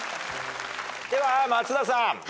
では松田さん。